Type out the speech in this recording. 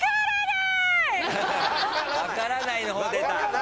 「分からない」の方出た。